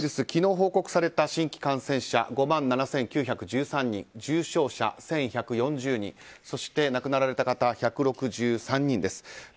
昨日、報告された新規感染者は５万７９１３人重症者１１４０人そして亡くなられた方１６３人です。